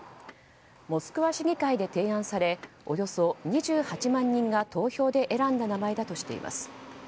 モスクワ市議会で提案されおよそ２８万人が投票で選んだ名前だとしています。